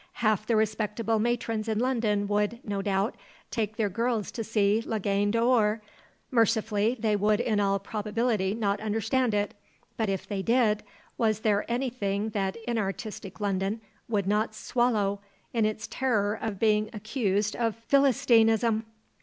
Half the respectable matrons in London would, no doubt, take their girls to see La Gaine d'Or; mercifully, they would in all probability not understand it; but if they did, was there anything that inartistic London would not swallow in its terror of being accused of philistinism?